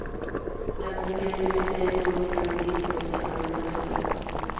Las mujeres deben ser económicamente y psicológicamente autónomas.